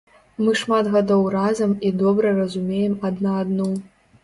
Мы шмат гадоў разам і добра разумеем адна адну.